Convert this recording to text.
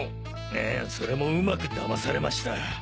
ええそれもうまく騙されました。